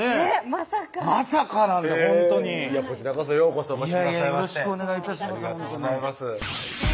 まさかまさかなんでほんとにこちらこそようこそお越しくださいましてありがとうございます